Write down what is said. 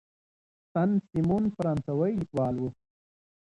سن سیمون فرانسوي لیکوال و.